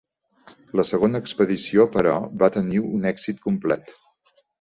La segona expedició, però, va tenir un èxit complet.